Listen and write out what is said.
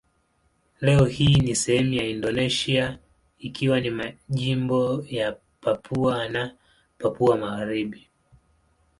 Leo hii ni sehemu ya Indonesia ikiwa ni majimbo ya Papua na Papua Magharibi.